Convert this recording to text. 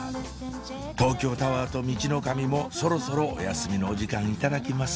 東京タワーとミチノカミもそろそろお休みのお時間いただきます